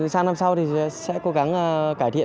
sáng năm sau thì sẽ cố gắng cải thiện